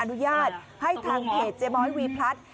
อนุญาตให้ทางเพจเจ๊ม้อยวีพลัด